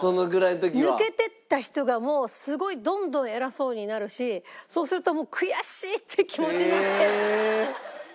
抜けてった人がもうすごいどんどん偉そうになるしそうするともう悔しい！って気持ちになって。